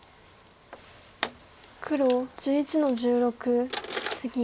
黒１１の十六ツギ。